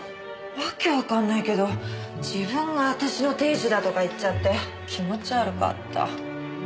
訳わかんないけど自分が私の亭主だとか言っちゃって気持ち悪かった。